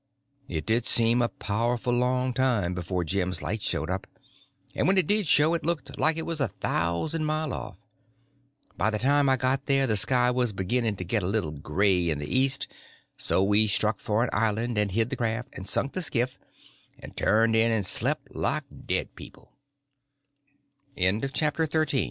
It did seem a powerful long time before Jim's light showed up; and when it did show it looked like it was a thousand mile off. By the time I got there the sky was beginning to get a little gray in the east; so we struck for an island, and hid the raft, and sunk the skiff, and turned in and s